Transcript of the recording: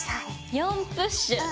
４プッシュ。